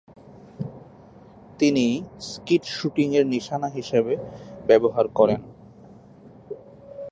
তিনি স্কিট শুটিংয়ের নিশানা হিসেবে ব্যবহার করেন।